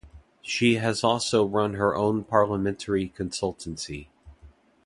She has also run her own parliamentary consultancy.